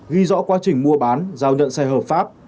ghi rõ quá trình mua bán giao nhận xe hợp pháp